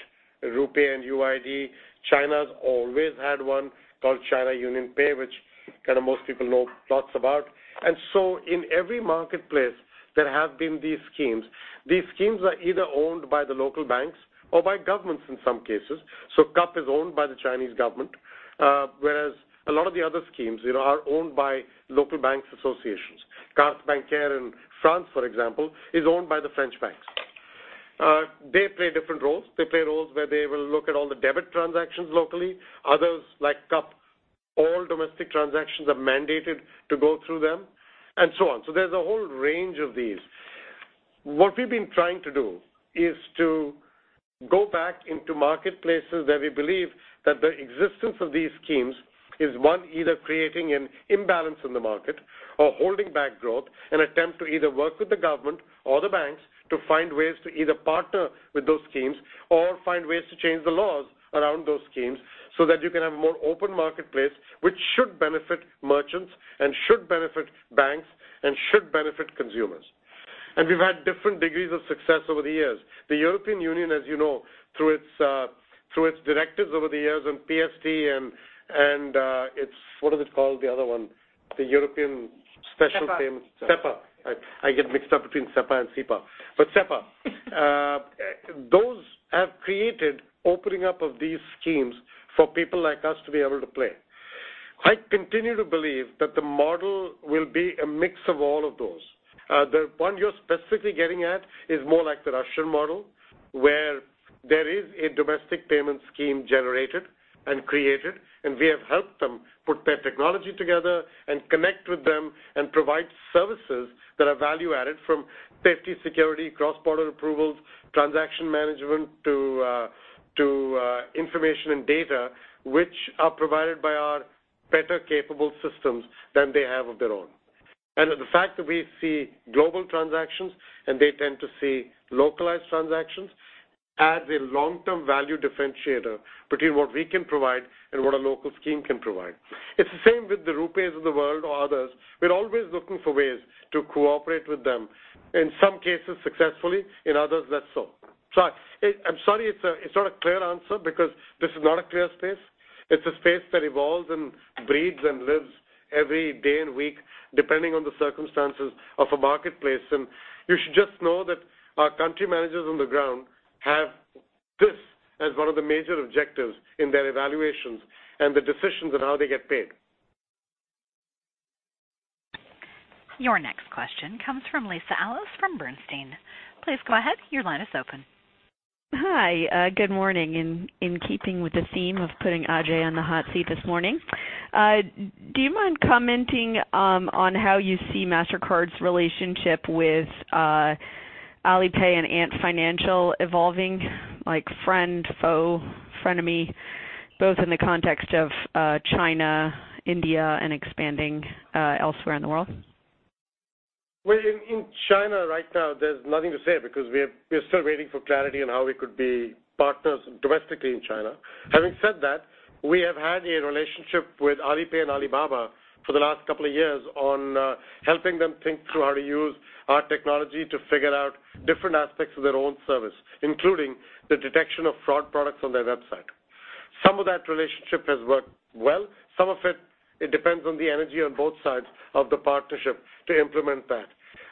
RuPay and UPI. China's always had one called China UnionPay, which most people know lots about. In every marketplace, there have been these schemes. These schemes are either owned by the local banks or by governments in some cases. So CUP is owned by the Chinese government, whereas a lot of the other schemes are owned by local banks associations. Cartes Bancaires in France, for example, is owned by the French banks. They play different roles. They play roles where they will look at all the debit transactions locally. Others, like CUP, all domestic transactions are mandated to go through them, and so on. There's a whole range of these. What we've been trying to do is to go back into marketplaces where we believe that the existence of these schemes is, one, either creating an imbalance in the market or holding back growth and attempt to either work with the government or the banks to find ways to either partner with those schemes or find ways to change the laws around those schemes so that you can have a more open marketplace, which should benefit merchants and should benefit banks and should benefit consumers. We've had different degrees of success over the years. The European Union, as you know, through its directives over the years on PSD2. SEPA. SEPA. I get mixed up between SEPA and SEPA. SEPA. Those have created opening up of these schemes for people like us to be able to play. I continue to believe that the model will be a mix of all of those. The one you're specifically getting at is more like the Russian model, where there is a domestic payment scheme generated and created, and we have helped them put their technology together and connect with them and provide services that are value-added from safety, security, cross-border approvals, transaction management to information and data, which are provided by our better capable systems than they have of their own. The fact that we see global transactions and they tend to see localized transactions adds a long-term value differentiator between what we can provide and what a local scheme can provide. It's the same with the RuPays of the world or others. We're always looking for ways to cooperate with them, in some cases successfully, in others less so. I'm sorry it's not a clear answer because this is not a clear space. It's a space that evolves and breeds and lives every day and week depending on the circumstances of a marketplace. You should just know that our country managers on the ground have this as one of the major objectives in their evaluations and the decisions on how they get paid. Your next question comes from Lisa Ellis from Bernstein. Please go ahead, your line is open. Hi. Good morning. In keeping with the theme of putting Ajay on the hot seat this morning, do you mind commenting on how you see Mastercard's relationship with Alipay and Ant Financial evolving, like friend, foe, frenemy, both in the context of China, India, and expanding elsewhere in the world? Well, in China right now, there's nothing to say because we're still waiting for clarity on how we could be partners domestically in China. Having said that, we have had a relationship with Alipay and Alibaba for the last couple of years on helping them think through how to use our technology to figure out different aspects of their own service, including the detection of fraud products on their website. Some of that relationship has worked well. Some of it depends on the energy on both sides of the partnership to implement that.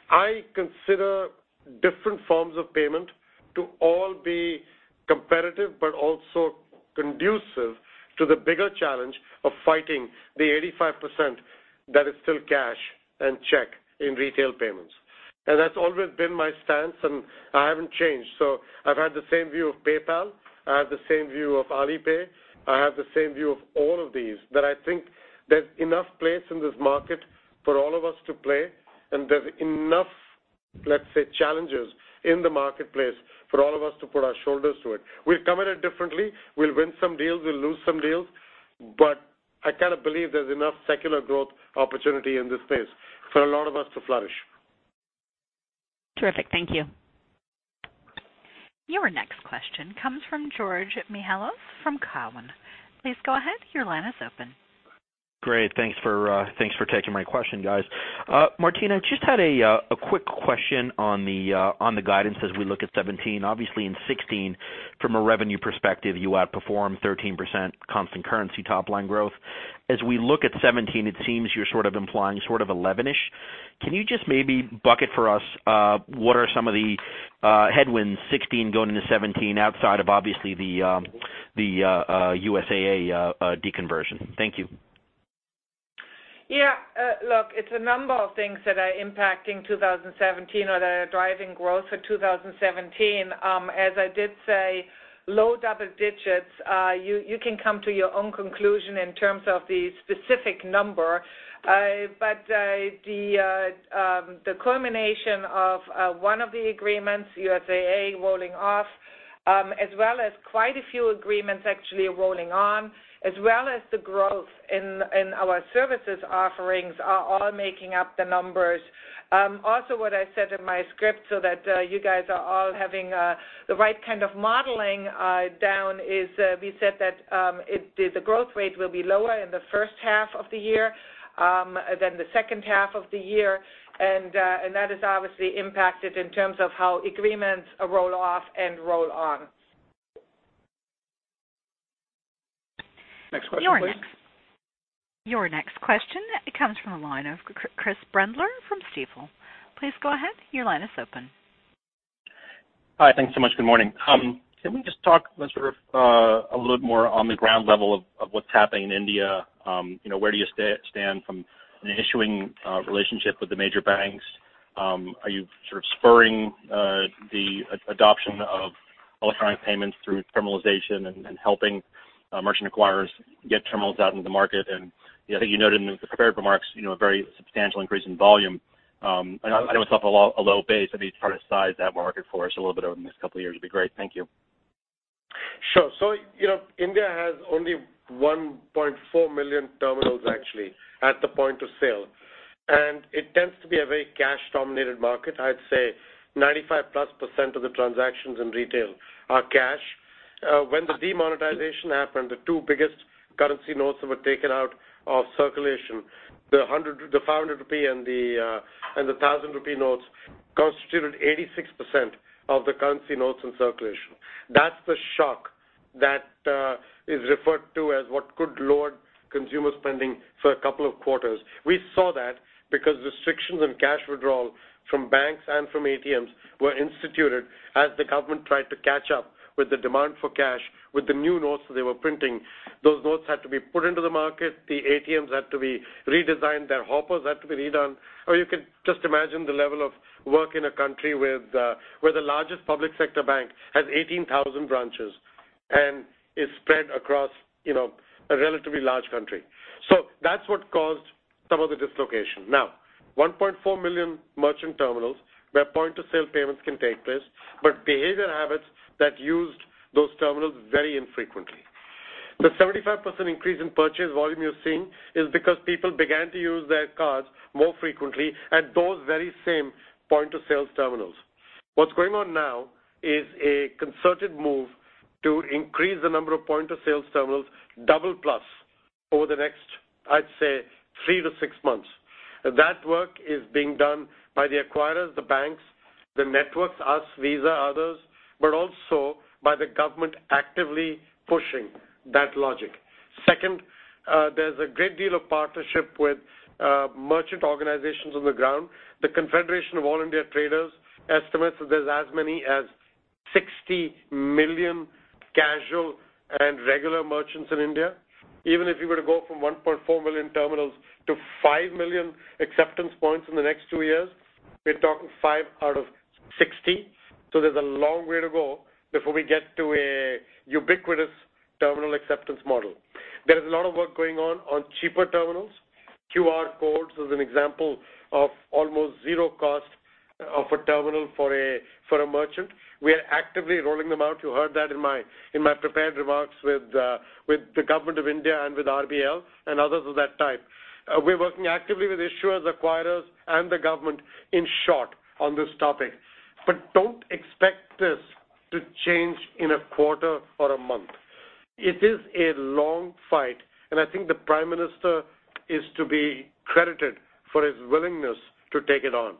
I consider different forms of payment to all be competitive, but also conducive to the bigger challenge of fighting the 85% that is still cash and check in retail payments. That's always been my stance, and I haven't changed. I've had the same view of PayPal, I have the same view of Alipay, I have the same view of all of these. That I think there's enough place in this market for all of us to play, and there's enough, let's say, challenges in the marketplace for all of us to put our shoulders to it. We've come at it differently. We'll win some deals, we'll lose some deals, but I kind of believe there's enough secular growth opportunity in this space for a lot of us to flourish. Terrific. Thank you. Your next question comes from George Mihalos from Cowen. Please go ahead. Your line is open. Great. Thanks for taking my question, guys. Martina, I just had a quick question on the guidance as we look at 2017. Obviously in 2016, from a revenue perspective, you outperformed 13% constant currency top-line growth. As we look at 2017, it seems you're implying sort of 11-ish. Can you just maybe bucket for us what are some of the headwinds 2016 going into 2017 outside of obviously the USAA deconversion? Thank you. Yeah. Look, it's a number of things that are impacting 2017 or that are driving growth for 2017. As I did say, low double digits. You can come to your own conclusion in terms of the specific number. The culmination of one of the agreements, USAA rolling off, as well as quite a few agreements actually rolling on, as well as the growth in our services offerings, are all making up the numbers. What I said in my script so that you guys are all having the right kind of modeling down is, we said that the growth rate will be lower in the first half of the year than the second half of the year. That is obviously impacted in terms of how agreements roll off and roll on. Next question, please. Your next question comes from the line of Chris Brendler from Stifel. Please go ahead, your line is open. Hi. Thanks so much. Good morning. Can we just talk sort of a little more on the ground level of what's happening in India? Where do you stand from an issuing relationship with the major banks? Are you sort of spurring the adoption of electronic payments through terminalization and helping merchant acquirers get terminals out into the market? I think you noted in the prepared remarks, a very substantial increase in volume. I know it's off a low base. Maybe try to size that market for us a little bit over the next couple of years would be great. Thank you. Sure. India has only 1.4 million terminals actually at the point of sale, and it tends to be a very cash-dominated market. I'd say 95%-plus of the transactions in retail are cash. When the demonetization happened, the two biggest currency notes that were taken out of circulation, the 100 rupee, the 500 rupee, and the 1,000 rupee notes constituted 86% of the currency notes in circulation. That's the shock that is referred to as what could lower consumer spending for a couple of quarters. We saw that because restrictions on cash withdrawal from banks and from ATMs were instituted as the government tried to catch up with the demand for cash with the new notes that they were printing. Those notes had to be put into the market. The ATMs had to be redesigned. Their hoppers had to be redone, or you could just imagine the level of work in a country where the largest public sector bank has 18,000 branches and is spread across a relatively large country. That's what caused some of the dislocation. Now, 1.4 million merchant terminals where point-of-sale payments can take place, but behavior habits that used those terminals very infrequently. The 75% increase in purchase volume you're seeing is because people began to use their cards more frequently at those very same point-of-sales terminals. What's going on now is a concerted move to increase the number of point-of-sales terminals double-plus over the next, I'd say, three to six months. That work is being done by the acquirers, the banks, the networks, us, Visa, others, but also by the government actively pushing that logic. Second, there's a great deal of partnership with merchant organizations on the ground. The Confederation of All India Traders estimates that there's as many as 60 million casual and regular merchants in India. Even if you were to go from 1.4 million terminals to 5 million acceptance points in the next two years, we're talking five out of 60. There's a long way to go before we get to a ubiquitous terminal acceptance model. There is a lot of work going on cheaper terminals. QR codes is an example of almost zero cost of a terminal for a merchant. We are actively rolling them out. You heard that in my prepared remarks with the Government of India and with RBL and others of that type. We're working actively with issuers, acquirers, and the government, in short, on this topic. Don't expect this to change in a quarter or a month. It is a long fight, I think the Prime Minister is to be credited for his willingness to take it on,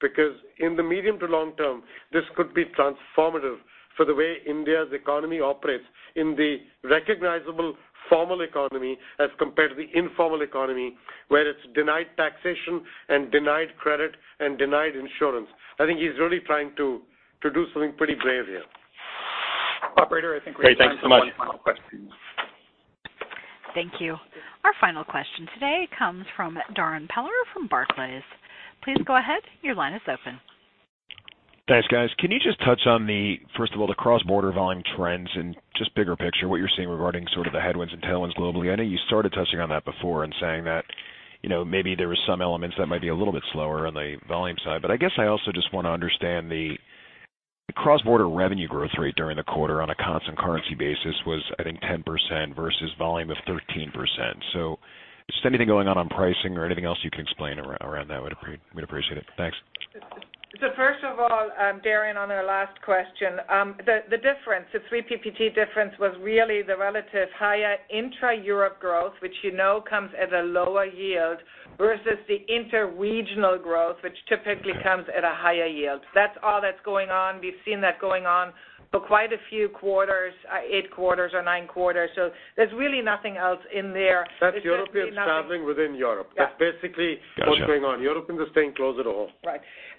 because in the medium to long term, this could be transformative for the way India's economy operates in the recognizable formal economy as compared to the informal economy, where it's denied taxation and denied credit and denied insurance. I think he's really trying to do something pretty brave here. Operator, I think we have time for one final question. Thank you. Our final question today comes from Darrin Peller from Barclays. Please go ahead. Your line is open. Thanks, guys. Can you just touch on the, first of all, the cross-border volume trends and just bigger picture, what you are seeing regarding sort of the headwinds and tailwinds globally? I know you started touching on that before and saying that maybe there were some elements that might be a little bit slower on the volume side. I guess I also just want to understand the cross-border revenue growth rate during the quarter on a constant currency basis was, I think, 10% versus volume of 13%. Just anything going on pricing or anything else you can explain around that, we would appreciate it. Thanks. First of all, Darrin, on our last question, the difference, the three PPT difference was really the relative higher intra-Europe growth, which you know comes at a lower yield, versus the inter-regional growth, which typically comes at a higher yield. That is all that is going on. We have seen that going on for quite a few quarters, eight quarters or nine quarters. There is really nothing else in there. That is Europeans traveling within Europe. Yeah. That's basically what's going on. Europeans are staying close to home.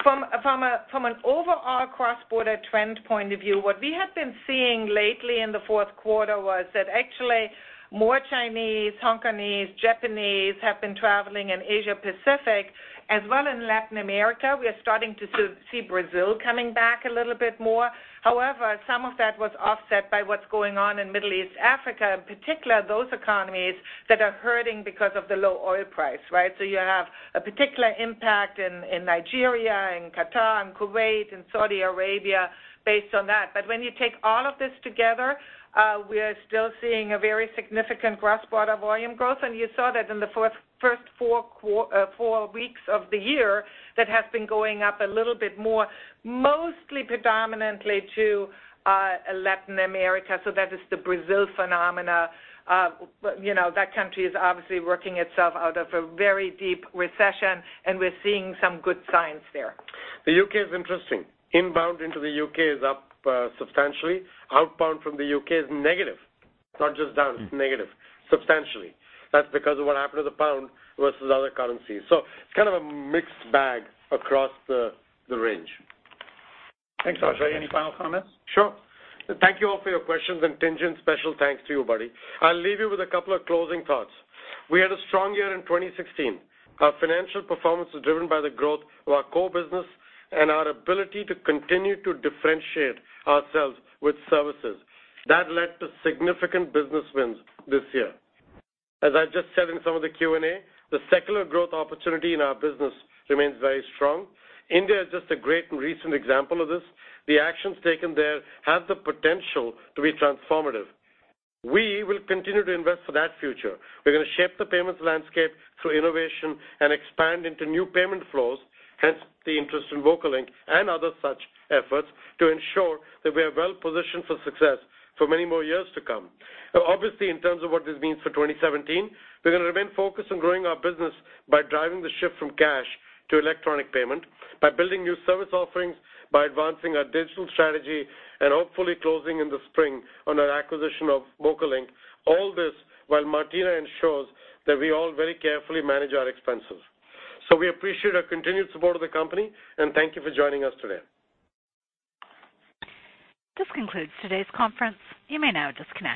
From an overall cross-border trend point of view, what we have been seeing lately in the fourth quarter was that actually more Chinese, Hong Kongese, Japanese have been traveling in Asia Pacific, as well in Latin America. We are starting to see Brazil coming back a little bit more. Some of that was offset by what's going on in Middle East Africa, in particular, those economies that are hurting because of the low oil price. You have a particular impact in Nigeria, in Qatar, in Kuwait, in Saudi Arabia based on that. When you take all of this together, we are still seeing a very significant cross-border volume growth, and you saw that in the first four weeks of the year, that has been going up a little bit more, mostly predominantly to Latin America. That is the Brazil phenomena. That country is obviously working itself out of a very deep recession, and we're seeing some good signs there. The U.K. is interesting. Inbound into the U.K. is up substantially. Outbound from the U.K. is negative, not just down, it's negative, substantially. That's because of what happened to the pound versus other currencies. It's kind of a mixed bag across the range. Thanks, Ajay. Any final comments? Sure. Thank you all for your questions, and Tien-tsin, special thanks to you, buddy. I'll leave you with a couple of closing thoughts. We had a strong year in 2016. Our financial performance was driven by the growth of our core business and our ability to continue to differentiate ourselves with services. That led to significant business wins this year. As I just said in some of the Q&A, the secular growth opportunity in our business remains very strong. India is just a great and recent example of this. The actions taken there have the potential to be transformative. We will continue to invest for that future. We're going to shape the payments landscape through innovation and expand into new payment flows, hence the interest in VocaLink and other such efforts to ensure that we are well-positioned for success for many more years to come. Obviously, in terms of what this means for 2017, we're going to remain focused on growing our business by driving the shift from cash to electronic payment, by building new service offerings, by advancing our digital strategy, and hopefully closing in the spring on our acquisition of VocaLink. All this while Martina ensures that we all very carefully manage our expenses. We appreciate your continued support of the company, and thank you for joining us today. This concludes today's conference. You may now disconnect.